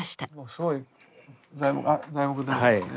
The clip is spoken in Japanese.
すごい材木だらけですね。